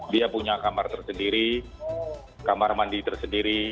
dia punya kamar tersendiri kamar mandi tersendiri